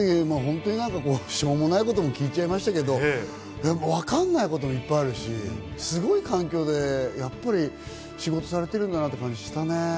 しょうもないことも聞いちゃったけど、わかんないこともいっぱいあるし、すごい環境で仕事されているんだなという感じしたね。